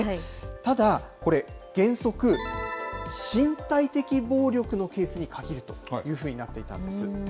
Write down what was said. ただ、これ、原則、身体的暴力のケースに限るというふうになっていたんです。